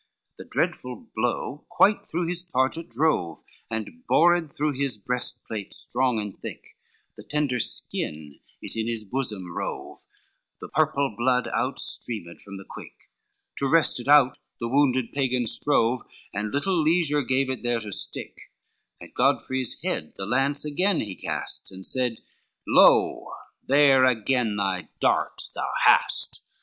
LXXIX The dreadful blow quite through his target drove, And bored through his breastplate strong and thick, The tender skin it in his bosom rove, The purple blood out streamed from the quick; To wrest it out the wounded Pagan strove And little leisure gave it there to stick; At Godfrey's head the lance again he cast, And said, "Lo, there again thy dart thou hast."